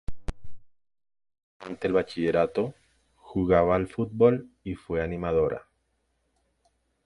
Durante el bachillerato, jugaba al softball y fue animadora.